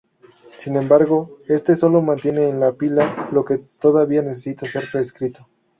Sin embargo, este solo mantiene en la pila lo que todavía necesita ser reescrito.